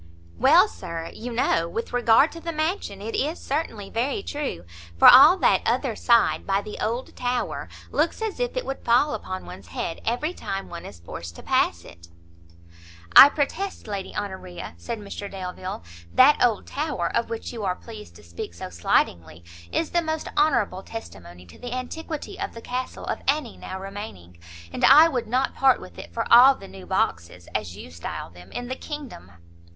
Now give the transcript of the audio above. "Well, Sir, you know, with regard to the mansion, it is certainly very true, for all that other side, by the old tower, looks as if it would fall upon one's head every time one is forced to pass it." "I protest, Lady Honoria," said Mr Delvile, "that old tower, of which you are pleased to speak so slightingly, is the most honourable testimony to the antiquity of the castle of any now remaining, and I would not part with it for all the new boxes, as you style them, in the kingdom."